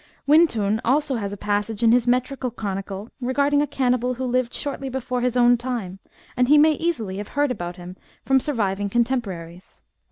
"* Wyntoun also has a passage in his metrical chronicle regarding a cannibal who Hved shortly before his own time, and he may easily have heard about him from surviving contemporaries.